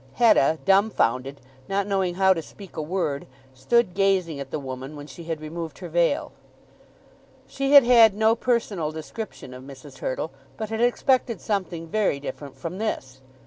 Hetta, dumbfounded, not knowing how to speak a word, stood gazing at the woman when she had removed her veil. She had had no personal description of Mrs. Hurtle, but had expected something very different from this!